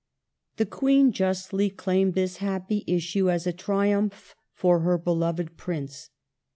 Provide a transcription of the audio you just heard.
The Queen justly claimed this happy issue as a triumph for The death " her beloved Prince